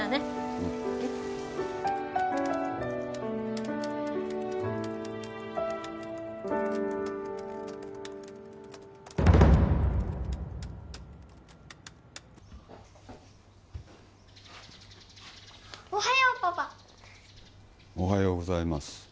うんおはようパパおはようございます